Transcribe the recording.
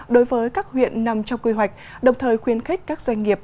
đối với các huyện nằm trong quy hoạch đồng thời khuyến khích các doanh nghiệp